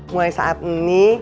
mulai saat ini